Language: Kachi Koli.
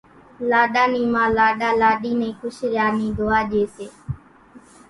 لاڏا نِي ما لاڏا لاڏِي نين خوش ريا نِي دعا ڄي سي